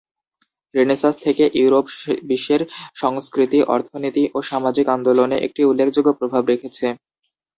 Renaissance থেকে, Europe বিশ্বের সংস্কৃতি, অর্থনীতি ও সামাজিক আন্দোলনে একটি উল্লেখযোগ্য প্রভাব রেখেছে।